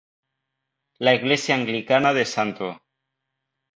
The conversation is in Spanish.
La Iglesia Anglicana de St.